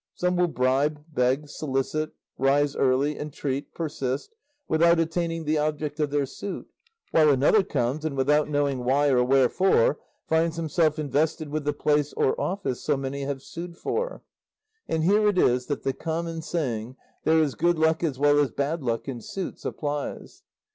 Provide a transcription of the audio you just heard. Some will bribe, beg, solicit, rise early, entreat, persist, without attaining the object of their suit; while another comes, and without knowing why or wherefore, finds himself invested with the place or office so many have sued for; and here it is that the common saying, 'There is good luck as well as bad luck in suits,' applies.